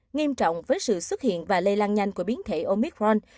nghiêm trọng với sự xuất hiện và lây lan nhanh của biến thể omicron